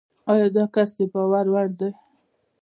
ایا داکس دباور وړ دی؟